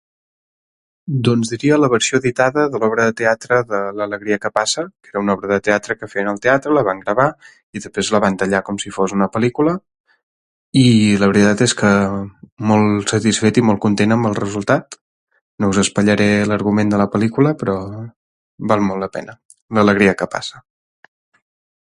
Doncs diria la versió editada de l'obra teatre de “L'alegria que passa”, que era una obra de teatre que feien al teatre, la van gravar i després la van tallar com si fos una pel·lícula, i la veritat és que molt satisfet i molt content amb el resultat. No us espatllaré l'argument de la pel·lícula, però val molt la pena, ”L'alegria que passa“.